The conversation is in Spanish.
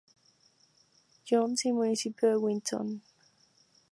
Johns y Municipio de Winton.